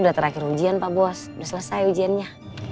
udah terakhir ujian pak bos udah selesai ujiannya